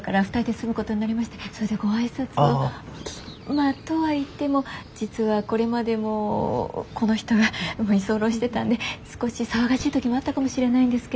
まぁとはいっても実はこれまでもこの人が居候してたんで少し騒がしい時もあったかもしれないんですけど。